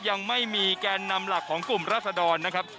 ยังไม่มีแกนนำหลักของกลุ่มราศดรนะครับ